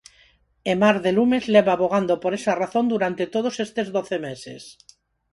E Mar de Lumes leva avogando por esa razón durante todos estes doce meses.